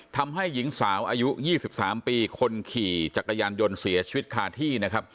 ทำให้หญิงสาวอายุ๒๓ปีคนขี่จักรยานยนต์เสียชีวิตคาที่นะครับ